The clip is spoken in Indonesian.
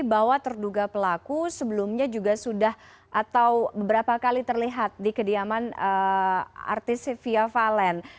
bahwa terduga pelaku sebelumnya juga sudah atau beberapa kali terlihat di kediaman artis fia valen